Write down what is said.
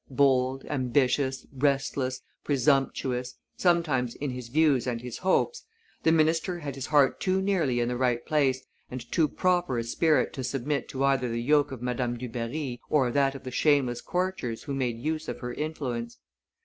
Bold, ambitious, restless, presumptuous sometimes in his views and his hopes, the minister had his heart too nearly in the right place and too proper a spirit to submit to either the yoke of Madame Dubarry or that of the shameless courtiers who made use of her influence.